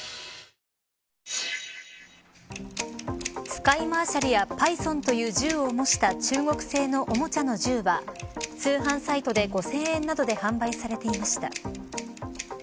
スカイマーシャルやパイソンという銃を模した中国製のおもちゃの銃は通販サイトで５０００円などで販売されていました。